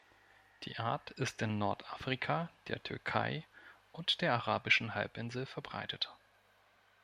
Die Art ist in Nordafrika, der Türkei und der Arabischen Halbinsel verbreitet.